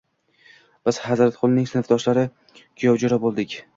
Biz, Hazratqulning sinfdoshlari kuyovjoʻra boʻldik.